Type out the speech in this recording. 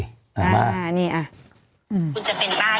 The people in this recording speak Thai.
คุณจะเป็นบ้าจริงนะคะ